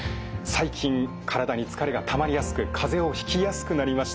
最近体に疲れがたまりやすく風邪をひきやすくなりました。